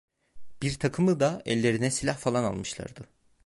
Birtakımı da ellerine silah falan almışlardı.